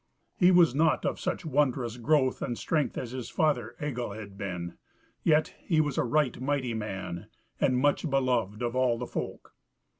He was nought of such wondrous growth and strength as his father Egil had been; yet was he a right mighty man, and much beloved of all folk.